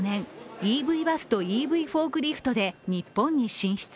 ＥＶバスとＥＶフォークリフトで日本に進出。